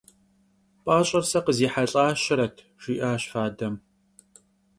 «P'aş'er se khızihelh'aşeret» jji'aş fadem.